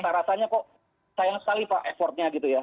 nah rasanya kok sayang sekali pak effortnya gitu ya